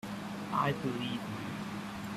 I believe in you.